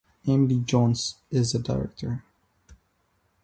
Emily Jones is the director.